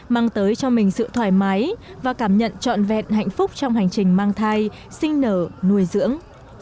mang tới cho mình sự thoải mái và cảm nhận trọn vẹn hạnh phúc trong hành trình mang thai sinh nở nuôi dưỡng